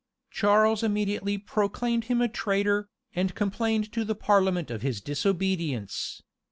Charles immediately proclaimed him traitor, and complained to the parliament of his disobedience.